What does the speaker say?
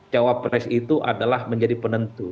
cawapres itu adalah menjadi penentu